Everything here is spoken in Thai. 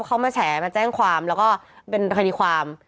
เขามาแฉมาแจ้งความแล้วก็เป็นคดีความ